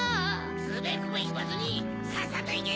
つべこべいわずにさっさといけ！